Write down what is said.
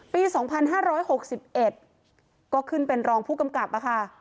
ปีสองพันห้าร้อยหกสิบเอ็ดก็ขึ้นเป็นรองผู้กำกับอะค่ะ